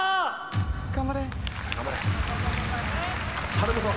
頼むぞ。